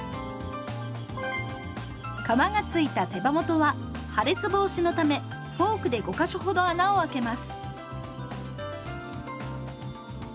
皮がついた手羽元は破裂防止のためフォークで５か所ほど穴をあけます。